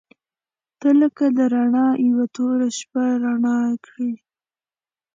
• ته لکه د رڼا یوه توره شپه رڼا کړې.